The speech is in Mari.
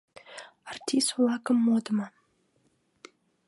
артист-влакын модмо